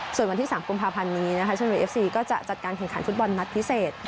ส่วนวันที่๓กุมภาพันธ์นี้นะคะชนบุรีเอฟซีก็จะจัดการแข่งขันฟุตบอลนัดพิเศษ